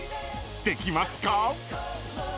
［できますか？］